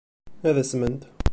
Ad asment.